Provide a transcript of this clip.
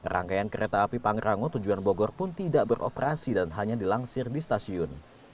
rangkaian kereta api pangrango tujuan bogor pun tidak beroperasi dan hanya dilansir di stasiun